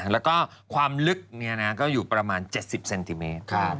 แล้วก็ความลึกก็อยู่ประมาณ๗๐เซนติเมตร